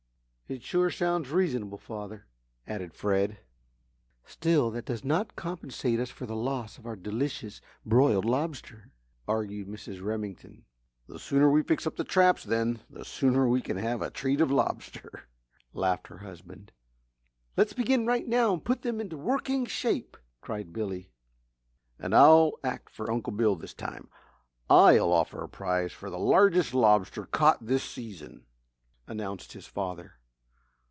"It sure sounds reasonable, father," added Fred. "Still, that does not compensate us for the loss of our delicious broiled lobster," argued Mrs. Remington. "The sooner we fix up the traps, then, the sooner you can have a treat of lobster," laughed her husband. "Let's begin right now and put them into working shape," cried Billy. "And I'll act for Uncle Bill this time I'll offer a prize for the largest lobster caught this season," announced his father.